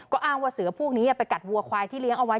อ้างว่าเสือพวกนี้ไปกัดวัวควายที่เลี้ยงเอาไว้